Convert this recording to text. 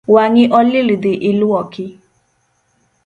Wang’i olil dhi iluoki